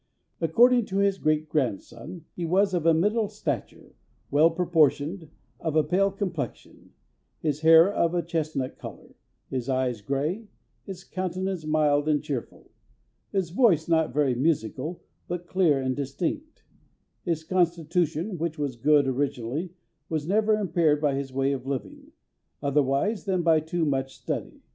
According to his great grandson, he was of 'a middle stature, well proportioned, of a pale complexion; his hair of a chestnut colour, his eyes gray, his countenance mild and cheerful; his voice not very musical, but clear and distinct; his constitution, which was good originally, was never impaired by his way of living, otherwise than by too much study.